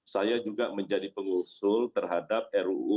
saya juga menjadi pengusul terhadap ruu